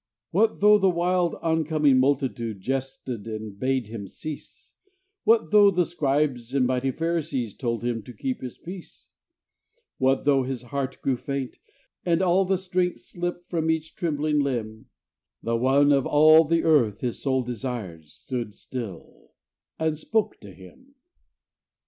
What though the wild oncoming multitude Jested and bade him cease; What though the Scribes and mighty Pharisees Told him to keep his peace; What though his heart grew faint, and all the strength Slipped from each trembling limb The One of all the earth his soul desired Stood still and spoke to him.